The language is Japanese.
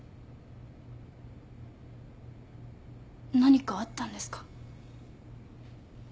何かあったんですか？